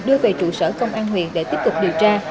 đưa về trụ sở công an huyện để tiếp tục điều tra